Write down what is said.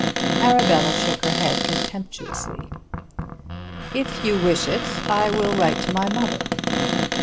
Arabella shook her head contemptuously. "If you wish it I will write to my mother."